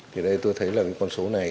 thì đây tôi thấy là cái con số này